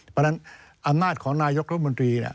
เพราะฉะนั้นอำนาจของนายกรัฐมนตรี